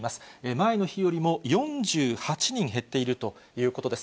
前の日よりも４８人減っているということです。